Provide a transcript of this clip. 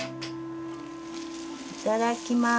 いただきます。